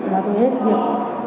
rồi tôi hết việc